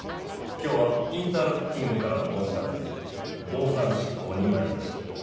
今日はインターロック金融からの申し立てで動産執行に参りました。